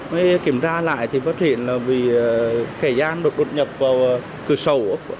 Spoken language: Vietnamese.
mới kiểm tra lại thì phát hiện là bị kẻ gian đột nhập vào cửa sổ